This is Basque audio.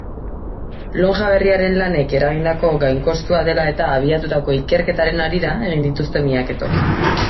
Lonja berriaren lanek eragindako gainkostua dela-eta abiatutako ikerketaren harira egin dituzte miaketok.